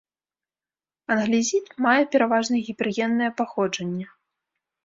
Англезіт мае пераважна гіпергеннае паходжанне.